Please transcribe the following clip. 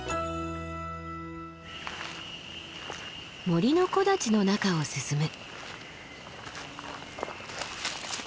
森の木立の中を進む。